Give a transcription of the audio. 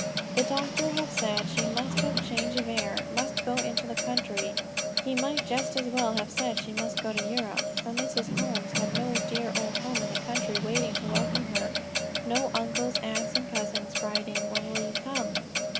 The doctor had said she must have change of air, must go into the country. He might just as well have said she must go to Europe, for Mrs. Holmes had no dear old home in the country waiting to welcome her; no uncles, aunts and cousins, writing "When will you come?"